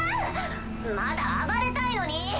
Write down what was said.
まだ暴れたいのに！